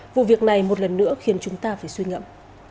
vụ việc này một lần nữa khiến chúng ta phải suy ngẫm